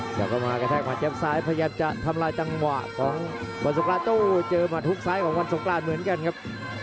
แล้วก็มากระแทกหัดแจ๊บซ้ายพยายามจะทำลายจังหวะของวันสงกรานโต้เจอหมัดฮุกซ้ายของวันสงกรานเหมือนกันครับ